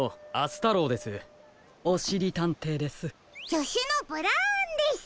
じょしゅのブラウンです。